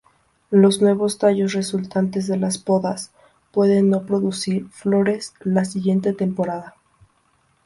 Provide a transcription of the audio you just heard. Los nuevos tallos resultantes de las podas, pueden no producir flores la siguiente temporada.